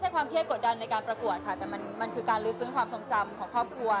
ความเครียดกดดันในการประกวดค่ะแต่มันคือการลื้อฟื้นความทรงจำของครอบครัว